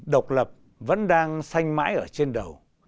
độc lập vẫn đang xanh mãi ở trên đầu